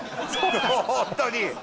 もうホントに！